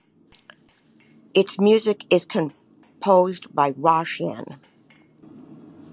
Its music is composed by Roshan.